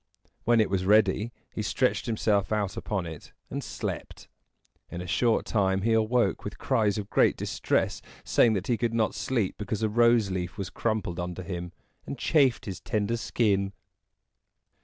When it was ready, he stretched himself out upon it and slept. In a short time he awoke with cries of great distress, saying that he could not sleep because a rose leaf was crumpled under him, and chafed his tender skin.